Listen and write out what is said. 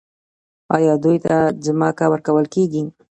آیا دوی ته ځمکه ورکول کیږي؟